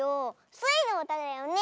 スイのうただよね。